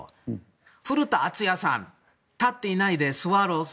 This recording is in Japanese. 古田敦也さん立っていないで、すわろーす。